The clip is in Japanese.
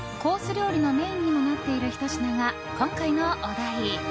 料理のメインにもなっているひと品が、今回のお題。